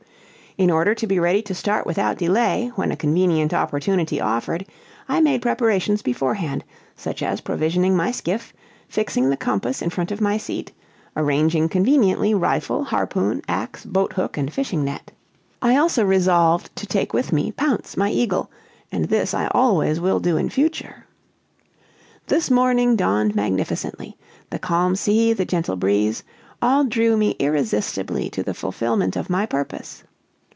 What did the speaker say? "In order to be ready to start without delay when a convenient opportunity offered, I made preparations beforehand, such as provisioning my skiff, fixing the compass in front of my seat, arranging conveniently rifle, harpoon, ax, boat hook, and fishing net. I also resolved to take with me Pounce, my eagle, and this I always will do in future. "This morning dawned magnificently; the calm sea, the gentle breeze, all drew me irresistibly to the fulfillment of my purpose.